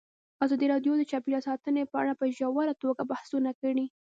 ازادي راډیو د چاپیریال ساتنه په اړه په ژوره توګه بحثونه کړي.